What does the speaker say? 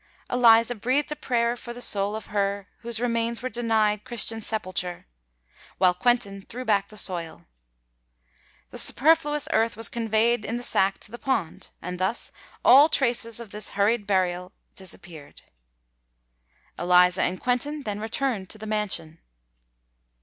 Eliza breathed a prayer for the soul of her whose remains were denied Christian sepulture, while Quentin threw back the soil. The superfluous earth was conveyed in the sack to the pond; and thus all traces of this hurried burial disappeared. Eliza and Quentin then returned to the mansion.